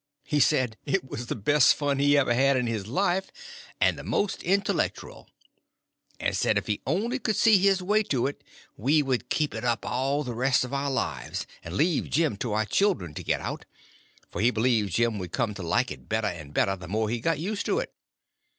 He said it was the best fun he ever had in his life, and the most intellectural; and said if he only could see his way to it we would keep it up all the rest of our lives and leave Jim to our children to get out; for he believed Jim would come to like it better and better the more he got used to it.